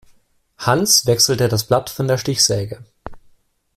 Hans wechselte das Blatt von der Stichsäge.